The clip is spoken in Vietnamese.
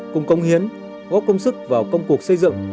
cùng công hiến góp công sức vào công cuộc xây dựng